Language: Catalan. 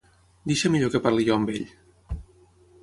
Deixa millor que parli jo amb ell.